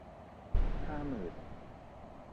ห้าหมื่น